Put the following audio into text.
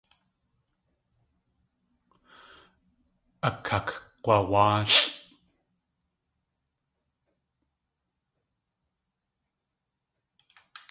Akakg̲wawáalʼ.